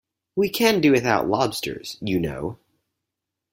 We can do without lobsters, you know.